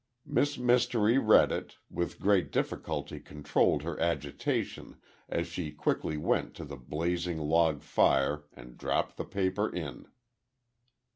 Miss Mystery read it, with great difficulty controlled her agitation, as she quickly went to the blazing log fire and dropped the paper in.